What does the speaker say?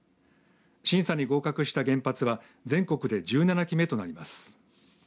審査に合格した原発は全国で１７基目となります。